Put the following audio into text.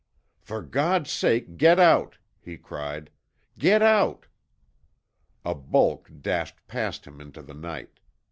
"For God's sake get out!" he cried. "GET OUT!" A bulk dashed past him into the night.